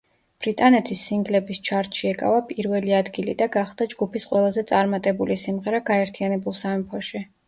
ბრიტანეთის სინგლების ჩარტში ეკავა პირველი ადგილი და გახდა ჯგუფის ყველაზე წარმატებული სიმღერა გაერთიანებულ სამეფოში.